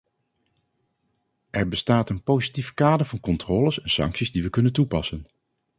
Er bestaat een positief kader van controles en sancties die we kunnen toepassen.